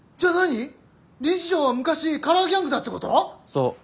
そう。